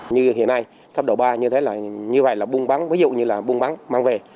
như hiện nay cấp độ ba như thế là như vậy là buôn bắn ví dụ như là buôn bắn mang về